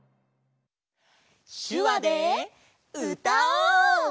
しゅわでうたおう！